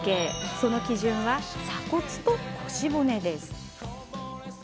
その基準は鎖骨と腰骨です。